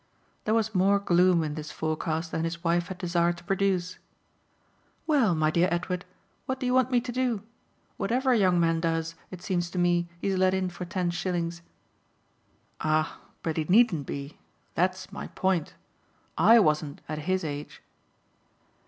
There was more gloom in this forecast than his wife had desired to produce. "Well, my dear Edward, what do you want me to do? Whatever a young man does, it seems to me, he's let in for ten shillings." "Ah but he needn't be that's my point. I wasn't at his age."